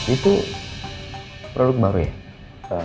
itu produk baru ya